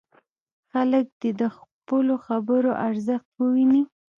خلک دې د خپلو خبرو ارزښت وویني.